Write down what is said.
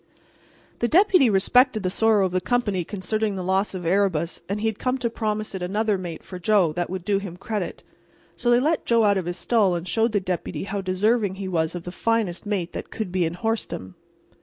The Deputy respected the sorrow of the company concerning the loss of Erebus, and he had come to promise it another mate for Joe that would do him credit. So they let Joe out of his stall and showed the Deputy how deserving he was of the finest mate that could be in horsedom.